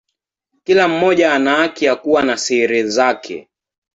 Kila mmoja ana haki ya kuwa na siri zake.